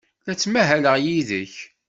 La ttmahaleɣ yid-k.